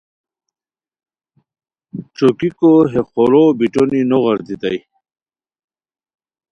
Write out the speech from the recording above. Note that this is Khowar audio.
ݯوکیکو ہے خورو بیٹونی نو غیردیتائے